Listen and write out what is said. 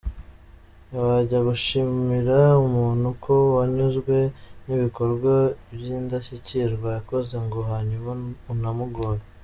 Ntiwajya gushimira umuntu ko wanyuzwe n’ibikorwa by’indashyikirwa yakoze ngo hanyuma unamugore.